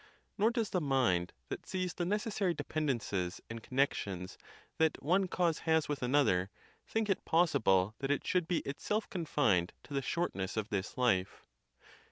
Nor does the mind, that sees the necessary dependences and connections that one cause has with another, think it possible that it should be itself con fined to the shortness of this life.